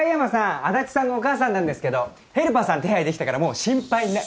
足立さんのお母さんなんですけどヘルパーさん手配できたからもう心配ない。